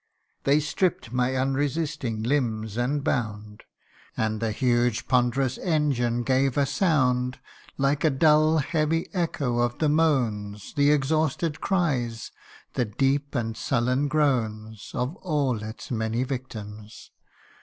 They stripp'd my unresisting limbs, and bound ; And the huge ponderous engine gave a sound CANTO III. H9 Like a dull heavy echo of the moans, The exhausted cries, the deep and sullen groans, Of all its many victims.